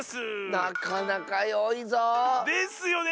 なかなかよいぞ！ですよね！